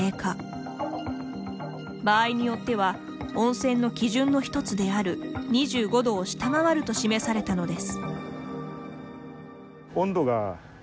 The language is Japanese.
場合によっては温泉の基準の一つである２５度を下回ると示されたのです。